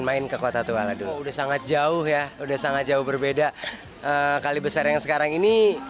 main ke kota tua udah sangat jauh ya udah sangat jauh berbeda kali besar yang sekarang ini